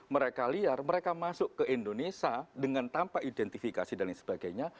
mereka liar mereka masuk ke indonesia dengan tanpa identifikasi dan lain sebagainya